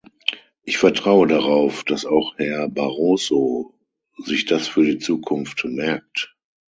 Ich vertraue darauf, dass auch Herr Barroso sich das für die Zukunft merkt.